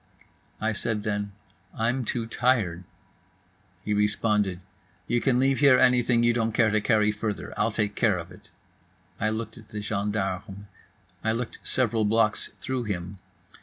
I said then: "I'm too tired." He responded: "You can leave here anything you don't care to carry further; I'll take care of it." I looked at the gendarme. I looked several blocks through him.